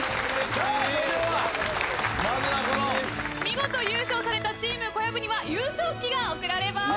見事優勝されたチーム小籔には優勝旗が贈られます。